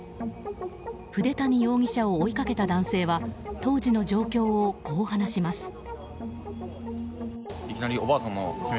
筆谷容疑者を追いかけた男性は当時の状況を、こう話します。